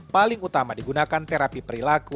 paling utama digunakan terapi perilaku